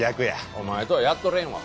お前とはやっとれんわ。